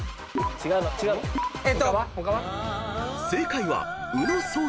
［正解は］